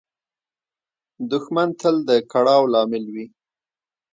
دښمن تل د کړاو لامل وي